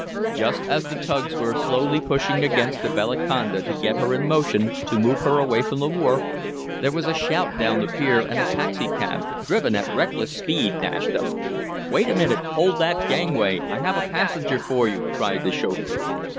Just as the tugs were slowly pushing against the Bellaconda to get her in motion to move her away from the wharf, there was a shout down the pier and a taxicab, driven at reckless speed, dashed up. "Wait a minute! Hold that gangway. I have a passenger for you!" cried the chauffeur.